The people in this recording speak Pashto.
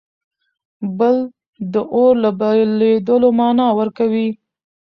بل د اور له بلېدلو مانا ورکوي.